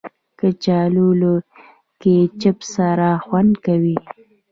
کچالو له کیچپ سره خوند کوي